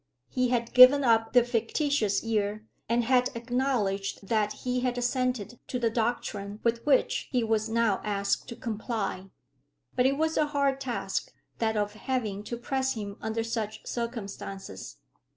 He had given up the fictitious year, and had acknowledged that he had assented to the doctrine with which he was now asked to comply. But it was a hard task that of having to press him under such circumstances.